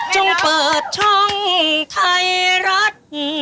เปิดช่องไทยรัฐ